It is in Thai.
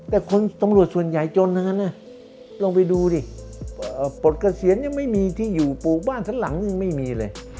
แต่คนตำรวจส่วนใหญ่จนนานนะลองไปดูดิปลดเกษียณยังไม่มีที่อยู่ปลูกบ้านสันหลังยังไม่มีเลย